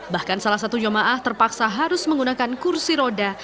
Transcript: bahkan salah satu jemaah terpaksa harus menggunakan kursi roda